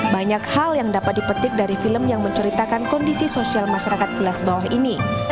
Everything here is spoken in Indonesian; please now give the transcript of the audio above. banyak hal yang dapat dipetik dari film yang menceritakan kondisi sosial masyarakat kelas bawah ini